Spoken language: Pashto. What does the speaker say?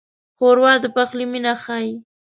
ښوروا د پخلي مینه ښيي.